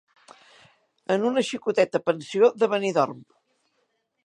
En una xicoteta pensió de Benidorm.